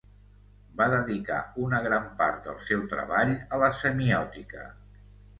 va dedicar una gran part del seu treball a la semiòtica